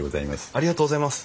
ありがとうございます。